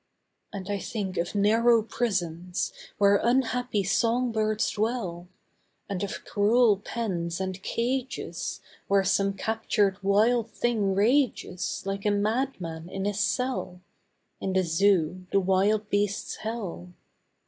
And I think of narrow prisons Where unhappy songbirds dwell, And of cruel pens and cages Where some captured wild thing rages Like a madman in his cell, In the Zoo, the wild beasts' hell.